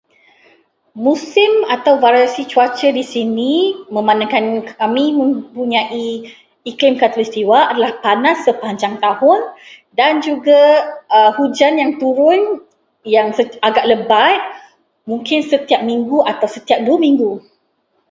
Musim atau variasi cuaca di sini, memandangkan kami mempunyai iklim khatulistiwa, adalah panas sepanjang tahun dan juga hujan yang turun yang agak lebat mungkin setiap seminggu atau dua minggu.